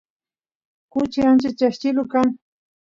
kuchi ancha cheqchilu kan